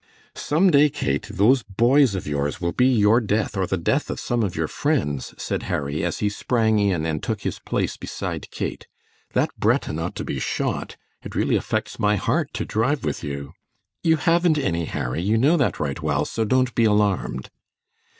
"Some day, Kate, those 'boys' of yours will be your death or the death of some of your friends," said Harry, as he sprang in and took his place beside Kate. "That Breton ought to be shot. It really affects my heart to drive with you." "You haven't any, Harry, you know that right well, so don't be alarmed."